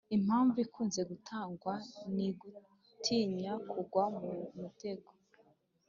impamvu ikunze gutangwa ni ugutinya kugwa mu mutego.